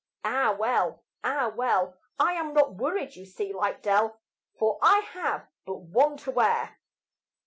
Ah, well! ah, well! I am not worried, you see, like Dell, For I have but one to wear.